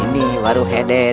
ini waru heden